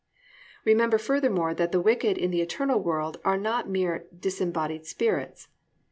"+ Remember furthermore that the wicked in the eternal world are not mere disembodied spirits.